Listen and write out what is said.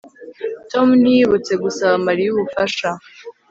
Tom ntiyibutse gusaba Mariya ubufasha